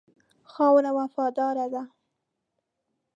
خاوره وفاداره ده.